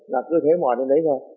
là cứ thế mỏi lên đấy thôi